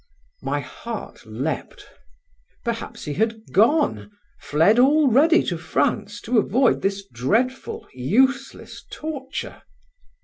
My heart leapt. Perhaps he had gone, fled already to France to avoid this dreadful, useless torture.